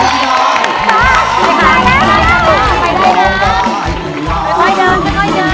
ได้ครับ